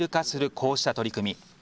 こうした取り組み。